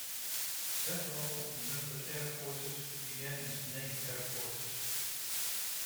Several of the numbered air forces began as named air forces.